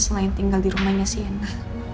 selain tinggal di rumahnya siana